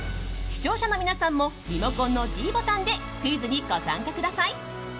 視聴者の皆さんもリモコンのｄボタンでクイズにご参加ください。